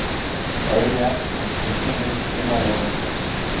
A ella antecede una loa.